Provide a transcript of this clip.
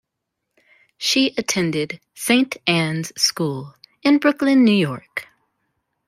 She attended Saint Ann's School, in Brooklyn, New York.